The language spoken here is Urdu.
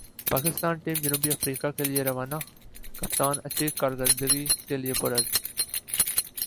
پاکستان ٹیم جنوبی افریقہ کیلئے روانہ کپتان اچھی کارکردگی کیلئے پر عزم